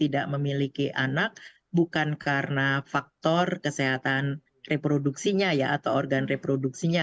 tidak memiliki anak bukan karena faktor kesehatan reproduksinya ya atau organ reproduksinya